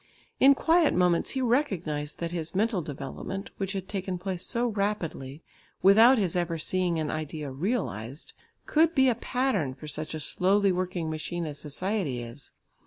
In quiet moments he recognised that his mental development which had taken place so rapidly, without his ever seeing an idea realised, could be a pattern for such a slowly working machine as society is.